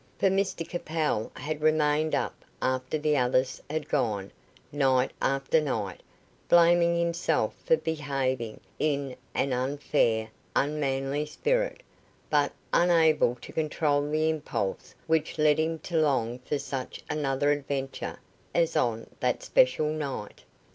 For Capel had remained up after the others had gone, night after night; blaming himself for behaving in an unfair, unmanly spirit, but unable to control the impulse which led him to long for such another adventure as on that special night.